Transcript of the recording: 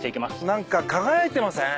何か輝いてません？